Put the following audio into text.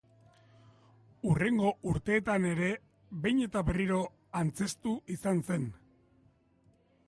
Hurrengo urteetan ere behin eta berriro antzeztu izan zen.